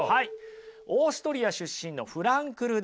オーストリア出身のフランクルです。